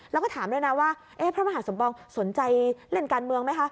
แล้วก็ถามด้วยนะว่าพระมหาสมปองสนใจเล่นการเมืองไหมคะ